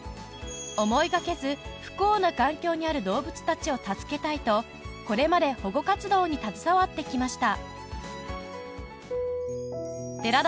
思いがけず不幸な環境にある動物たちを助けたいとこれまで保護活動に携わってきました